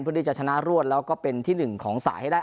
เพื่อที่จะชนะรวดแล้วก็เป็นที่๑ของสายให้ได้